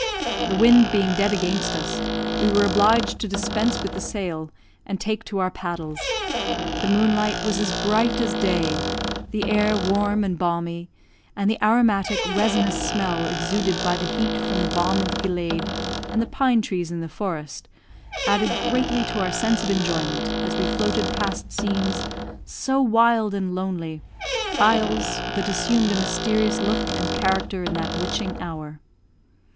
The wind being dead against us, we were obliged to dispense with the sail, and take to our paddles. The moonlight was as bright as day, the air warm and balmy; and the aromatic, resinous smell exuded by the heat from the balm of gilead and the pine trees in the forest, added greatly to our sense of enjoyment as we floated past scenes so wild and lonely isles that assumed a mysterious look and character in that witching hour.